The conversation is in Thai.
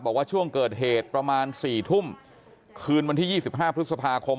บอกว่าช่วงเกิดเหตุประมาณสี่ทุ่มคืนวันที่ยี่สิบห้าพฤษภาคม